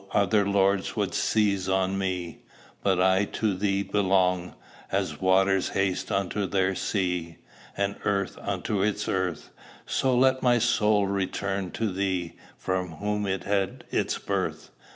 other lords would seize on me, But I to thee belong. As waters haste unto their sea, And earth unto its earth, So let my soul return to thee, From whom it had its birth.